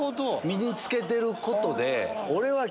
身に着けてることで。